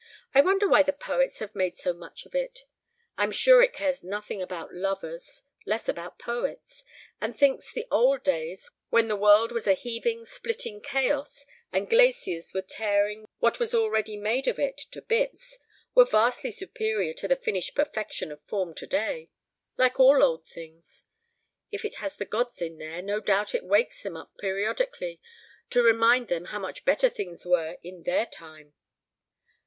"I wonder why the poets have made so much of it? I'm sure it cares nothing about lovers less about poets and thinks the old days, when the world was a heaving splitting chaos, and glaciers were tearing what was already made of it to bits, were vastly superior to the finished perfection of form today. Like all old things. If it has the gods in there, no doubt it wakes them up periodically to remind them how much better things were in their time.